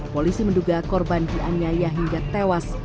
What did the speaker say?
polisi menduga korban dianiaya hingga tewas